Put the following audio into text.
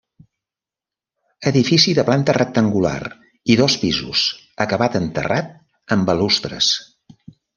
Edifici de planta rectangular i dos pisos, acabat en terrat amb balustres.